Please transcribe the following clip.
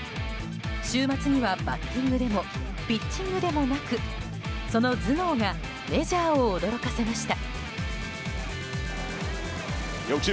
週末にはバッティングでもピッチングでもなくその頭脳がメジャーを驚かせました。